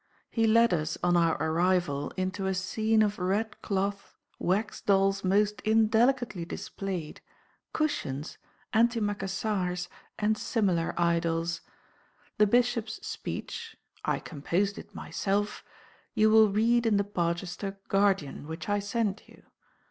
He led us on our arrival into a scene of red cloth, wax dolls most indelicately displayed, cushions, antimacassars, and similar idols. The Bishop's speech (I composed it myself) you will read in the "Barchester Guardian," which I send you.